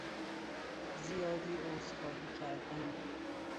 زیادی عذرخواهی کردن